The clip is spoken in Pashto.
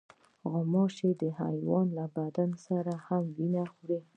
غوماشې د حیوان له بدن هم وینه خوري.